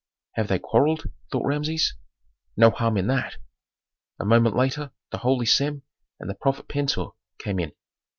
"Have they quarrelled?" thought Rameses? "No harm in that!" A moment later the holy Sem and the prophet Pentuer came in.